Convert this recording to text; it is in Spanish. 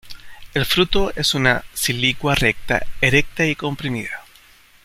El fruto es una silicua recta, erecta y comprimida.